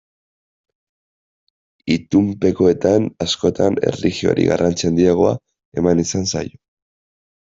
Itunpekoetan askotan erlijioari garrantzi handiagoa eman izan zaio.